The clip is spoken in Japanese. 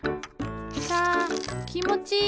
サきもちいい！